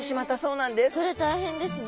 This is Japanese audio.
それ大変ですね。